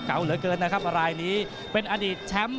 เหลือเกินนะครับรายนี้เป็นอดีตแชมป์